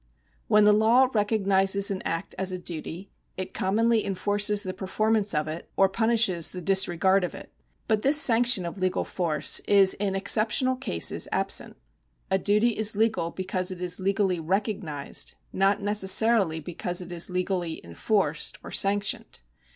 When the law recognises an act as a duty, it commonly enforces the performance of it, or punishes the disregard of it. But this sanction of legal force is in exceptional cases absent. A dutv is legal because it is legally recognised, not necessariiy because it; is legally enforced or sanctioned.